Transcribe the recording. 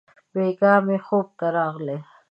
بېګاه مي خوب ته راغلې!